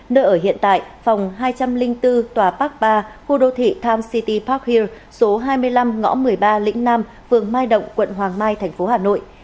nơi ở hiện tại phòng hai trăm linh bốn tòa park ba khu đô thị tom city park hiler số hai mươi năm ngõ một mươi ba lĩnh nam phường mai động quận hoàng mai thành phố hà nội